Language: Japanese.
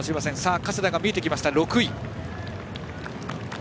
加世田が見えてきました、６位。